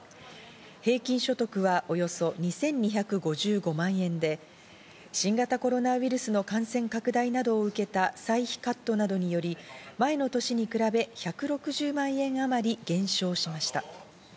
平均所得はおよそ２２５５万円で新型コロナウイルスの感染拡大などを受けた歳費カットなどにより、前の年に比べ１６０万円あまり減少しました。